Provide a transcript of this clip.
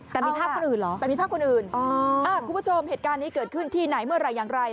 แต่มีภาพคนอื่นเหรอแต่มีภาพคนอื่นคุณผู้ชมเหตุการณ์นี้เกิดขึ้นที่ไหนเมื่อไหร่อย่างไร